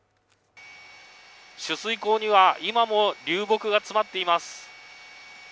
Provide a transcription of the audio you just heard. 取水口には、今も流木が詰まっています。